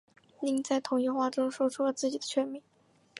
另在同一话中说出了自己全名。